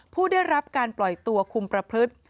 ผู้ได้รับการปล่อยตัวคุมประพฤติ